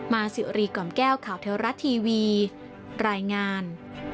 สิริกล่อมแก้วข่าวเทวรัฐทีวีรายงาน